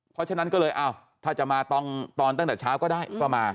เพราะฉะนั้นก็เลยถ้าจะมาตอนตั้งแต่เช้าก็ได้ก็มา